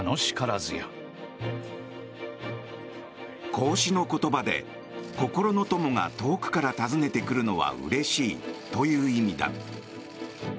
孔子の言葉で心の友が遠くから訪ねてくるのはうれしいという意味だ。